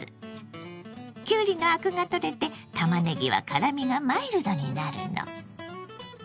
きゅうりのアクが取れてたまねぎは辛みがマイルドになるの。